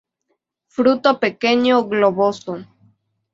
Fruto pequeño, globoso.